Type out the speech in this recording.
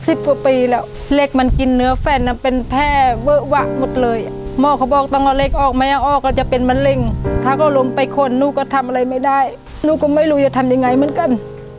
อุบัติเหตุเข้าหมนหมดเลยหมอเขาบอกต้องเอาเหล็กออกไม่ออกแล้วจะเป็นมะเร่งถ้าก็ล้มไปขนลูกก็ทำอะไรไม่ได้ลูกก็ไม่รู้จะทำอย่างไงเหมือนกัน